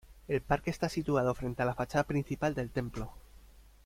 El parque está situado frente a la fachada principal del templo.